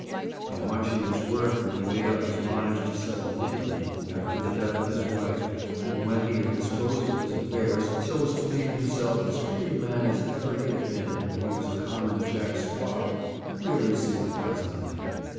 How much he was worth when he made up his mind to settle in England, after the death of his wife, and when he had disposed of his affairs so as to leave himself as free a man as ever he had been when he was a common Jack Swab, really signifies nothing.